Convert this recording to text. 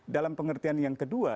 dalam pengertian yang kedua